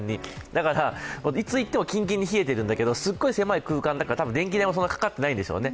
だから、いついってもキンキンに冷えているんだけど、すごい狭い空間だから多分、電気代もそこまでかかってないんでしょうね。